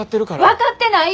分かってない！